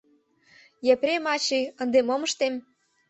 — Епрем ачый, ынде мом ыштем?